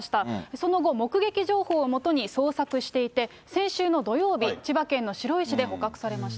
その後、目撃情報をもとに捜索していて、先週の土曜日、千葉県の白井市で捕獲されました。